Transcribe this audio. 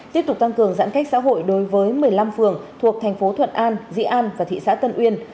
tiếp tục tăng cường giãn cách xã hội đối với một mươi năm phường thuộc thành phố thuận an dĩ an và thị xã tân uyên